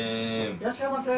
いらっしゃいませ。